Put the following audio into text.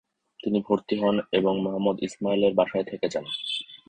তিনি ভর্তি হন এবং মুহাম্মদ ইসমাইলের বাসায় থেকে যান।